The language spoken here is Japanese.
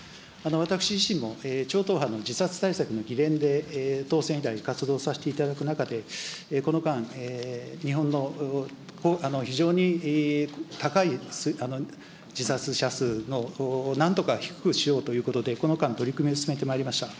私自身も、超党派の自殺対策の議連で当選以来、活動させていただく中で、この間、日本の、非常に高い自殺者数の、なんとか低くしようということで、この間、取り組みを進めてまいりました。